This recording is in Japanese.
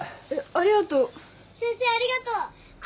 ありがとう！